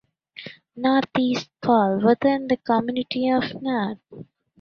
Neath East falls within the community of Neath.